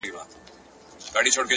د مثبت فکر ځواک خنډونه کمزوري کوي!.